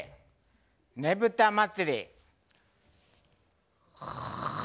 「ねぶた祭」。